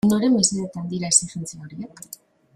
Noren mesedetan dira exijentzia horiek?